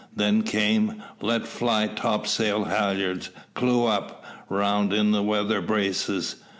Then came, "Let fly topsail halyards. Clew up. Round in the weather braces."